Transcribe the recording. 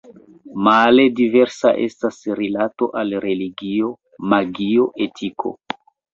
Male diversa estas rilato al religio, magio, etiko.